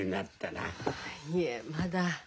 いえまだ。